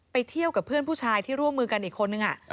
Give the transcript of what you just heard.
เที่ยวกับเพื่อนผู้ชายที่ร่วมมือกันอีกคนนึง